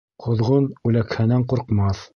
Ҡоҙғон үләкһәнән ҡурҡмаҫ.